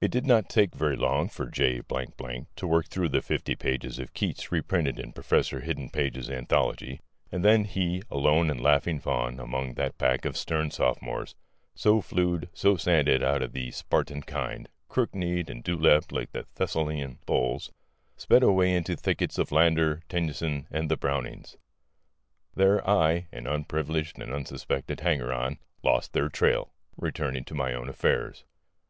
It did not take very long for J to work through the fifty pages of Keats reprinted in Professor Hidden Page's anthology; and then he, a lone and laughing faun among that pack of stern sophomores so flewed, so sanded, out of the Spartan kind, crook knee'd and dewlapped like Thessalian bulls sped away into thickets of Landor, Tennyson, the Brownings. There I, an unprivileged and unsuspected hanger on, lost their trail, returning to my own affairs.